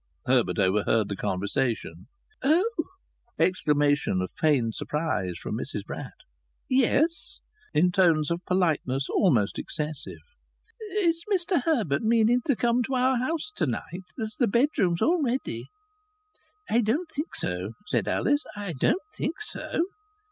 Herbert overheard the conversation. "Oh!" Exclamation of feigned surprise from Mrs Bratt. "Yes?" In tones of a politeness almost excessive. "Is Mr Herbert meaning to come to our house to night? That there bedroom's all ready." "I don't think so," said Alice. "I don't think so."